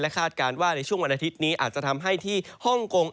คาดการณ์ว่าในช่วงวันอาทิตย์นี้อาจจะทำให้ที่ฮ่องกง